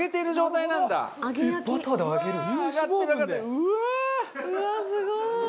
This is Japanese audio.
うわっすごい！